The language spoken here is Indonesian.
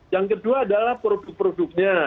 yang kedua adalah produk produknya